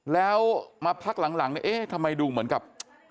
แล้วมาพักหลังเนี่ยเอ๊ะทำไมดูเหมือนกับ